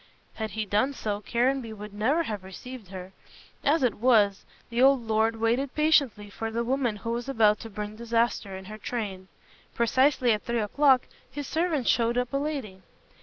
Had he done so, Caranby would never have received her. As it was, the old lord waited patiently for the woman who was about to bring disaster in her train. Precisely at three o'clock his servant showed up a lady.